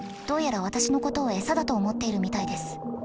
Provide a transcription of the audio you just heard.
どうやら私のことを餌だと思っているみたいです。